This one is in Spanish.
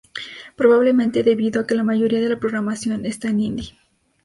Probablemente debido a que la mayoría de la programación está en hindi.